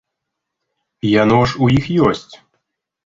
Яно ж у іх ёсць?